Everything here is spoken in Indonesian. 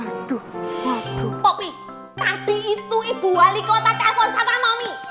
popi tadi itu ibu halikota telepon sama momi